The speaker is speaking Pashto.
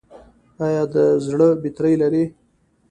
ایا د زړه بطرۍ لرئ؟